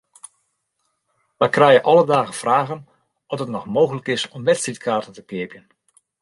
Wy krije alle dagen fragen oft it noch mooglik is om wedstriidkaarten te keapjen.